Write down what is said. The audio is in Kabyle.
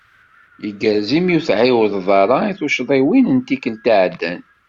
Igerrez imi ur tɛiwdeḍ ara i tucḍiwin n tikelt iɛeddan.